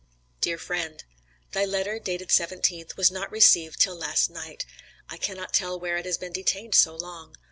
DEAR FRIEND: Thy letter dated 17th, was not received till last night. I cannot tell where it has been detained so long.